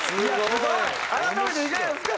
改めていかがですか？